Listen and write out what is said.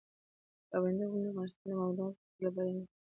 پابندی غرونه د افغانستان د دوامداره پرمختګ لپاره اړین دي.